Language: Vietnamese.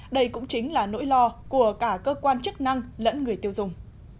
đây cũng chính là nỗi lo của cả cơ quan chức năng lẫn người tiêu dùng